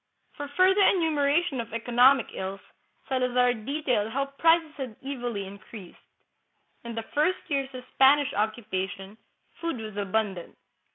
For further enumera tion of economic ills, Salazar details how prices had evilly increased. In the first years of Spanish occupation, food was abundant.